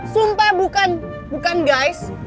sumpah bukan bukan guys